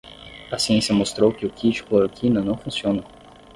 A ciência mostrou que o kit cloroquina não funciona